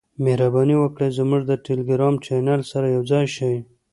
مهرباني وکړئ زموږ د ټیلیګرام چینل سره یوځای شئ .